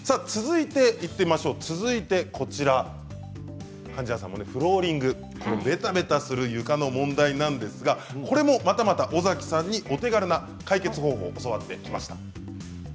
続いてはフローリングべたべたする床の問題なんですがこれもまたまた尾崎さんにお手軽な解決方法を教わってきました。